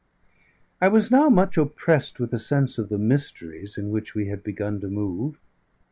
I was now much oppressed with a sense of the mysteries in which we had begun to move.